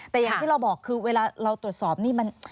แต่อย่างที่เราบอกคือเวลาเราตรวจสอบนี่มัน